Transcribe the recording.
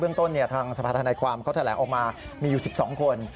เรื่องต้นทางสภาธนาความก็แถลงออกมามีอยู่๑๒คน